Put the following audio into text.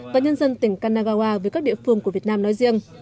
và nhân dân tỉnh kanagawa với các địa phương của việt nam nói riêng